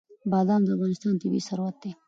بادام د افغانستان طبعي ثروت دی.